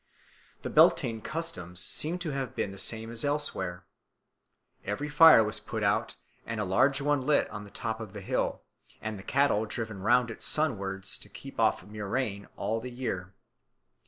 The Beltane customs seem to have been the same as elsewhere. Every fire was put out and a large one lit on the top of the hill, and the cattle driven round it sunwards (dessil), to keep off murrain all the year.